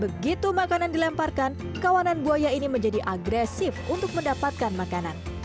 begitu makanan dilemparkan kawanan buaya ini menjadi agresif untuk mendapatkan makanan